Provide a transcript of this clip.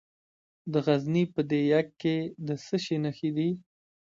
د غزني په ده یک کې د څه شي نښې دي؟